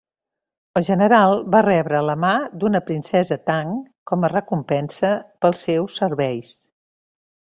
El general va rebre la mà d'una princesa Tang com a recompensa pels seus serveis.